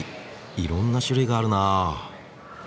いろんな種類があるな。